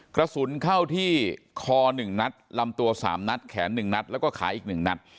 กระสุนเข้าที่คอ๑นัดลำตัว๓นัดแขน๑นัดแล้วก็ขาอีก๑นัด